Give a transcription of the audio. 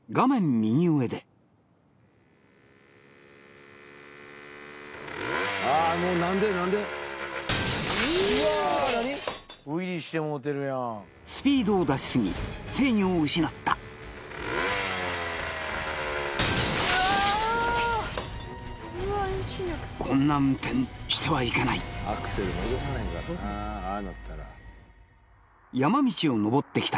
右上でスピードを出しすぎ制御を失ったこんな運転してはいけない山道を登ってきた